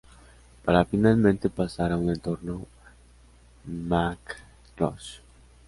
Para finalmente pasar a un entorno MacIntosh.